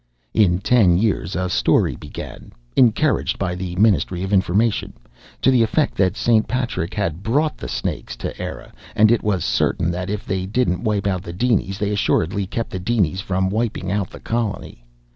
In ten years a story began encouraged by the Ministry of Information to the effect that St. Patrick had brought the snakes to Eire, and it was certain that if they didn't wipe out the dinies, they assuredly kept the dinies from wiping out the colony.